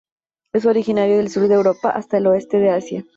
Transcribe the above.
Es originario del sur de Europa hasta el oeste de Asia.